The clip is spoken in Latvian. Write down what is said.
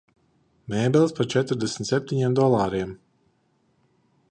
Mēbeles par četrdesmit septiņiem dolāriem.